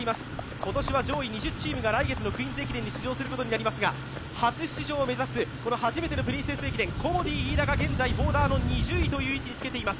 今年は上位２０チームが来月の「クイーンズ駅伝」に出場することになりますが初出場を目指す、初めての「プリンセス駅伝」、コモディイイダが現在ボーダーの２０位という位置につけています。